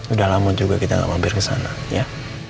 udah lama juga kita mampir ke sana ya